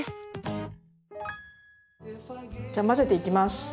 じゃあ混ぜていきます。